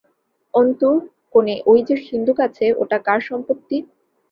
অন্তু, কোণে ওই যে সিন্দুক আছে ওটা কার সম্পত্তি?